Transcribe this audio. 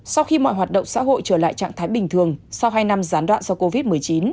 sau khi mọi hoạt động xã hội trở lại trạng thái bình thường sau hai năm gián đoạn do covid một mươi chín